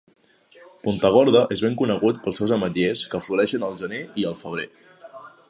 Puntagorda és ben conegut pels seus ametllers que floreixen al gener i al febrer.